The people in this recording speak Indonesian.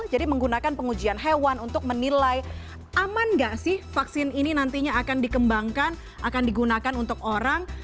jadi menggunakan pengujian hewan untuk menilai aman nggak sih vaksin ini nantinya akan dikembangkan akan digunakan untuk orang